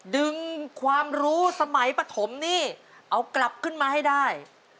ดึงความรู้สมัยปฐมนี่เอากลับขึ้นมาให้ได้